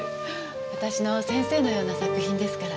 私の先生のような作品ですから。